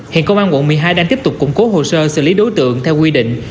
hiện công an quận một mươi hai đang tiếp tục củng cố hồ sơ xử lý đối tượng theo quy định